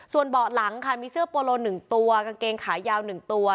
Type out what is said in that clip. ส่วนเบาะหลังค่ะมีเสื้อโปโล๑ตัวกางเกงขายาว๑ตัว